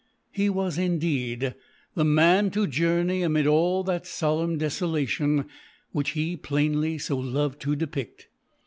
He was, indeed, the man to journey amid all that solemn desolation which he, plainly, so loved to depict.